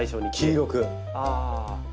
黄色く。